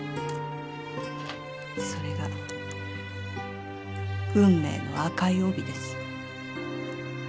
それが『運命の紅い帯』です。